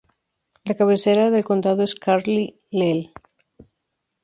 La cabecera del condado es Carlyle.